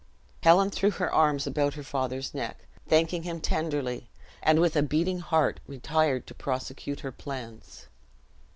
Helen threw her arms about her father's neck, thanking him tenderly, and with a beating heart retired to prosecute her plans.